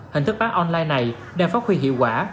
hình thức bán online này đang phát huy hiệu quả